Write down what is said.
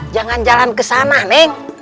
jangan jalan ke sana nek